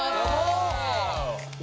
お！